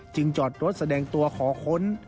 จอดรถแสดงตัวขอค้น